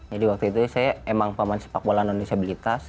jadi waktu itu saya memang pemain sepak bola non disabilitas